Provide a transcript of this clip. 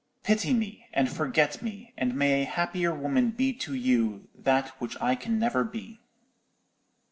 Pity me, and forget me; and may a happier woman be to you that which I can never be!